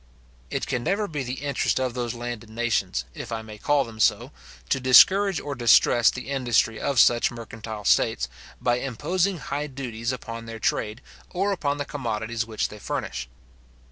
It can never be the interest of those landed nations, if I may call them so, to discourage or distress the industry of such mercantile states, by imposing high duties upon their trade, or upon the commodities which they furnish.